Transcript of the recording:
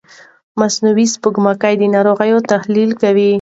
مصنوعي سپوږمکۍ د ناروغۍ تحلیل کوي.